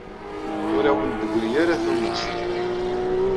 Ur awen-d-teggri ara tumast.